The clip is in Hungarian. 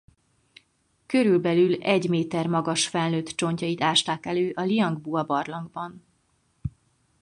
Körülbelül egy méter magas felnőtt csontjait ásták elő a Liang Bua barlangban.